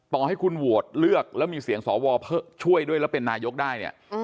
ต่อให้คุณโหวตเลือกแล้วมีเสียงสวช่วยด้วยแล้วเป็นนายกได้เนี่ย